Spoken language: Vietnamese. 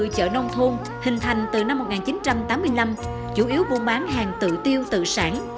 cây trồng thôn hình thành từ năm một nghìn chín trăm tám mươi năm chủ yếu buôn bán hàng tự tiêu tự sản